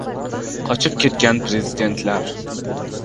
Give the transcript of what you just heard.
Qochib ketgan prezidentlar